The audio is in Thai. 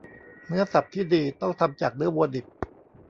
เนื้อสับที่ดีต้องทำจากเนื้อวัวดิบ